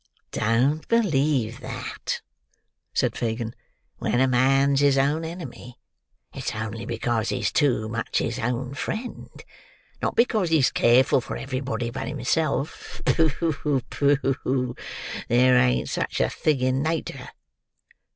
"Don't believe that," said Fagin. "When a man's his own enemy, it's only because he's too much his own friend; not because he's careful for everybody but himself. Pooh! pooh! There ain't such a thing in nature."